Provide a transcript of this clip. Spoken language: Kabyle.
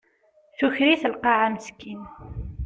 Tuker-it lqaɛa meskin.